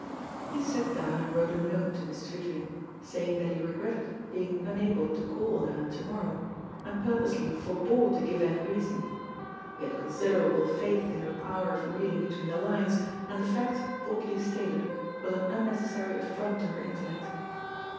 He sat down and wrote a note to Mrs. Vivian, saying that he regretted being unable to call on her to morrow, and purposely forebore to give any reason. He had considerable faith in her power of reading between the lines, and the fact, baldly stated, was an unnecessary affront to her intellect.